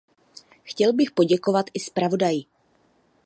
Chtěl bych poděkovat i zpravodaji.